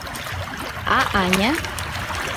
А Аня...